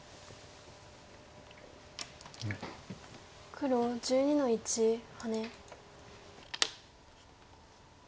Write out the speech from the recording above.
黒１２の一ハネ。